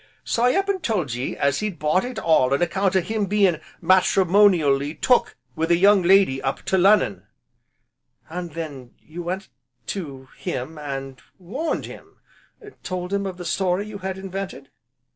So I up an' told ye as he'd bought it all on account o' him being matrimonially took wi' a young lady up to Lonnon " "And then you went to him, and warned him told him of the story you had invented?"